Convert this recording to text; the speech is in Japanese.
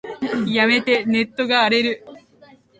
やめて、ネットが荒れる。